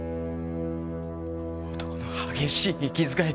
男の激しい息遣い。